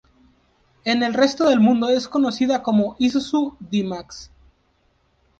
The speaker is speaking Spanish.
En el resto del mundo es conocida como Isuzu D-Max.